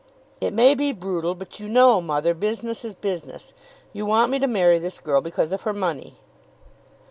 "It may be brutal; but you know, mother, business is business. You want me to marry this girl because of her money."